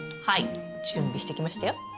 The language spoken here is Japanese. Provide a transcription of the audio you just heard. はい準備してきましたよ。